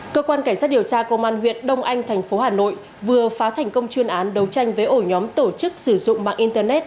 cơ quan cảnh sát điều tra công an huyện đông anh thành phố hà nội vừa phá thành công chuyên án đấu tranh với ổ nhóm tổ chức sử dụng mạng internet